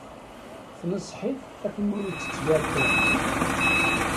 Tenṣeḥ-it akken ur ittett gar tram.